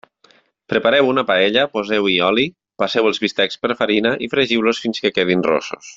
Prepareu una paella, poseu-hi oli, passeu els bistecs per farina i fregiu-los fins que quedin ros-sos.